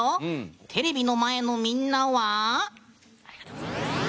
テレビの前のみんなは。